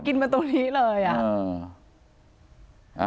กินมาตรงนี้เลยอ่ะ